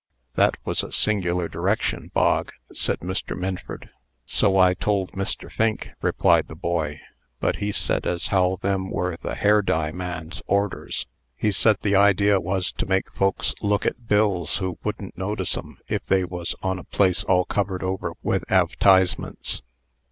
'" "That was a singular direction, Bog," said Mr. Minford. "So I told Mr. Fink," replied the boy; "but he said as how them were the hair dye man's orders. He said the idea was to make folks look at bills who wouldn't notice 'em if they was on a place all covered over with adv'tisements.